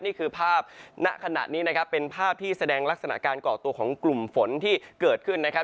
นี่คือภาพณขณะนี้นะครับเป็นภาพที่แสดงลักษณะการก่อตัวของกลุ่มฝนที่เกิดขึ้นนะครับ